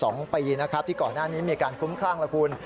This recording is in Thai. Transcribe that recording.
สองปีนะครับที่ก่อนหน้านี้มีการคุ้มคลั่งแล้วคุณ